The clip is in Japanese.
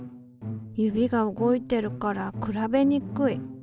指が動いてるから比べにくい。